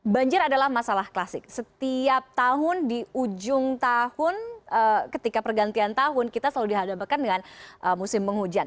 banjir adalah masalah klasik setiap tahun di ujung tahun ketika pergantian tahun kita selalu dihadapkan dengan musim penghujan